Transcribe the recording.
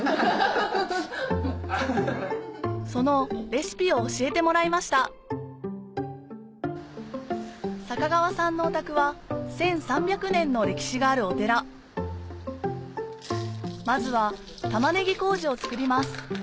そのレシピを教えてもらいました坂川さんのお宅は１３００年の歴史があるお寺まずは玉ねぎ麹を作ります